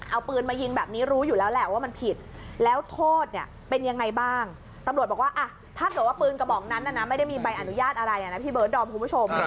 เอาปืนมายิงแบบนี้รู้อยู่แล้วแหละว่ามันผิดแล้วโทษเนี่ยเป็นยังไงบ้างตำรวจบอกว่าถ้าเกิดว่าปืนกระบอกนั้นไม่ได้มีใบอนุญาตอะไรนะพี่เบิร์ดดอมคุณผู้ชม